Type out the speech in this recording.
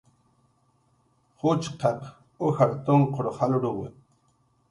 Ujchqaq ujar tunqur jalruwi